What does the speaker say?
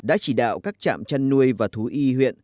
đã chỉ đạo các trạm chăn nuôi và thú y huyện